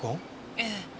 ええ。